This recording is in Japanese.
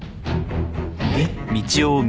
えっ！？